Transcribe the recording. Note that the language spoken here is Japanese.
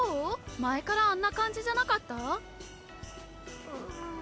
前からあんな感じじゃなかった？